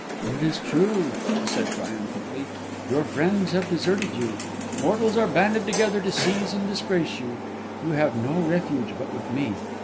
"It is true," she said triumphantly. "Your friends have deserted you; mortals are banded together to seize and disgrace you: you have no refuge but with me.